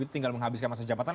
tinggal menghabiskan masa jabatan